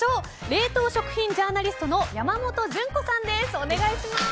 冷凍食品ジャーナリストの山本純子さんです。